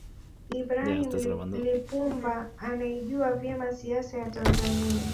ibrahim Lipumba anaijua vyema siasa ya tanzania